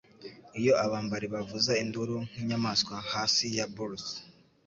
Iyo abambari bavuza induru nk'inyamaswa hasi ya Bourse,